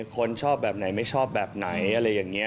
คนชอบแบบไหนไม่ชอบแบบไหนอะไรอย่างนี้